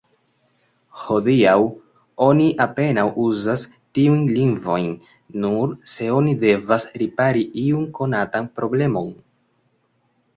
Hodiaŭ oni apenaŭ uzas tiujn lingvojn, nur se oni devas ripari iun konatan problemon.